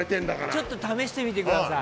ちょっと試してみてください。